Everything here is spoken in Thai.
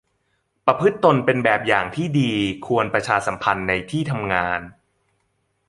ประพฤติตนเป็นแบบอย่างที่ดี ควรประชาสัมพันธ์ในที่ทำงาน